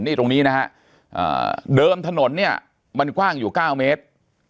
นี่ตรงนี้นะฮะเดิมถนนเนี่ยมันกว้างอยู่๙เมตร